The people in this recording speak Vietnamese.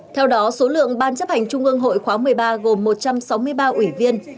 theo đó số lượng ban chấp hành trung ương hội khóa một mươi ba gồm một trăm sáu mươi ba ủy viên